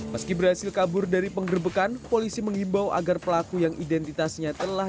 meski berhasil kabur dari penggerbekan polisi menghimbau agar pelaku yang identitasnya telah